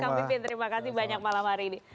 kamu juga terima kasih banyak malam hari ini